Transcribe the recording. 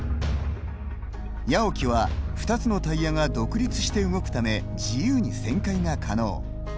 ＹＡＯＫＩは、２つのタイヤが独立して動くため自由に旋回が可能。